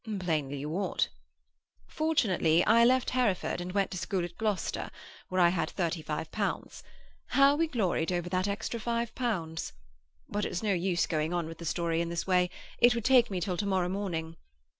"Plainly you ought." "Fortunately, I left Hereford, and went to a school at Gloucester, where I had thirty five pounds. How we gloried over that extra five pounds! But it's no use going on with the story in this way; it would take me till to morrow morning.